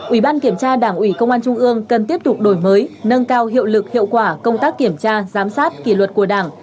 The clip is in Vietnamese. ủy ban kiểm tra đảng ủy công an trung ương cần tiếp tục đổi mới nâng cao hiệu lực hiệu quả công tác kiểm tra giám sát kỷ luật của đảng